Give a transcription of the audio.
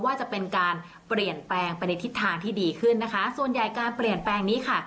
ว่าจะเป็นการเปลี่ยนแปลงไปในทิศทางที่ดีขึ้นนะคะส่วนใหญ่การเปลี่ยนแปลงนี้ค่ะ